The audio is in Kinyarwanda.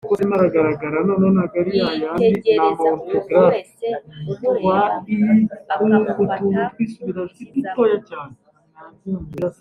yitegereza umuntu wese umureba akamufata nk’umukiza we